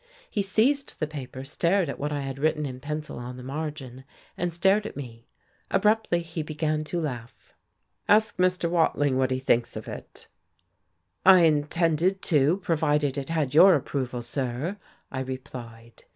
He seized the paper, stared at what I had written in pencil on the margin, and then stared at me. Abruptly, he began to laugh. "Ask Mr. Wading what he thinks of it?" "I intended to, provided it had your approval, sir," I replied.